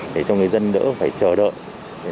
để cho người dân đỡ phải chờ đợi